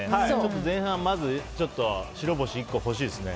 前半にまず白星１個欲しいですね。